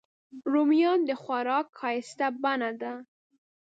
رومیان د خوراک ښایسته بڼه ده